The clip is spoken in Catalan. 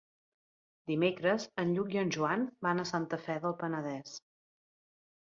Dimecres en Lluc i en Joan van a Santa Fe del Penedès.